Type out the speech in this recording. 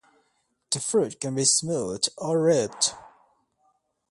The fruit can be smooth or ribbed.